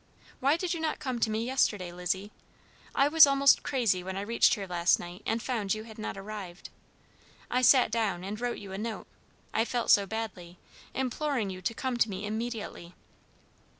Why did you not come to me yesterday, Lizzie? I was almost crazy when I reached here last night, and found you had not arrived. I sat down and wrote you a note I felt so badly imploring you to come to me immediately."